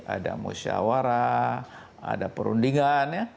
ada musyawarah ada perundingan